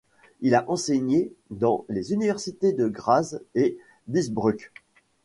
Il a enseigné dans les universités de Graz et d'Innsbruck.